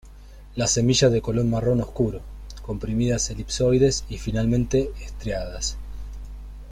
Las semillas de color marrón oscuro, comprimidas elipsoides y finamente estriadas.